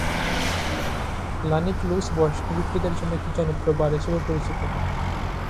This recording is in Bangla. লানিডলোস বয়স্ক হিপ্পিদের জন্য একটি জনপ্রিয় বাড়ি হিসাবে পরিচিত।